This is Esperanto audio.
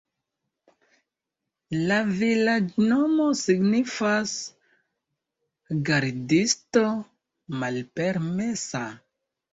La vilaĝnomo signifas: gardisto-malpermesa.